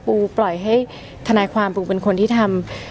ปล่อยให้ทนายความปูเป็นคนที่ทำ